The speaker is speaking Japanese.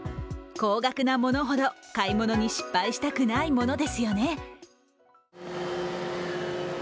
高額なものほど買い物に失敗したくないものですよね。